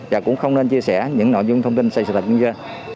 và cũng không nên chia sẻ những nội dung thông tin xây dựng thật như thế